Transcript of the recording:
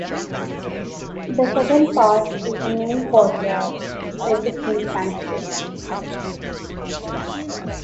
The southern part is the main courtyard with the chief sanctuary.